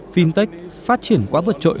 fintech phát triển quá vượt trội